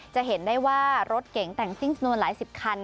จะเห็นได้ว่ารถเก๋งแต่งซิ่งสนวนหลายสิบคัน